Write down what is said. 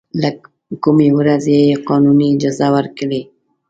له کومې ورځې یې قانوني اجازه ورکړې.